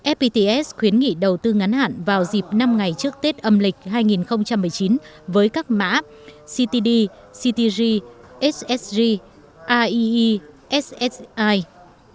fpts khuyến nghị đầu tư ngắn hạn vào dịp năm ngày trước tết âm lịch hai nghìn một mươi chín với các mã ctd ctg ssg aie ssi